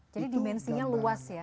jadi dimensinya luas ya